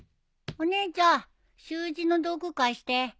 お姉ちゃん習字の道具貸して。